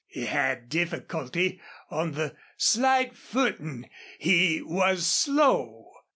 He had difficulty on the slight footing. He was slow.